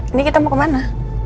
ini kita mau kemana